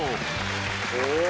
うわ。